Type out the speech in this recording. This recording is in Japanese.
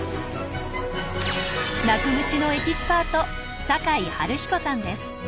鳴く虫のエキスパート酒井春彦さんです。